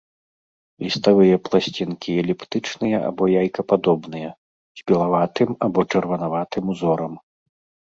Ліставыя пласцінкі эліптычныя або яйкападобныя, з белаватым або чырванаватым узорам.